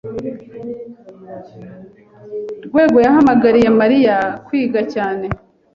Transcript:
Rwego yahamagariye Mariya kwiga cyane.